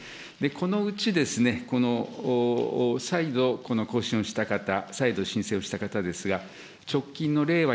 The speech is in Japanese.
このうち再度、更新をした方、再度申請をした方ですが、直近の令和